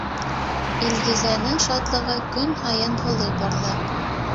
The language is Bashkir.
Илгизәнең шатлығы көн һайын һулый барҙы.